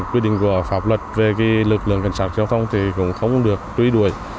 quy định của pháp luật về lực lượng cảnh sát giao thông thì cũng không được truy đuổi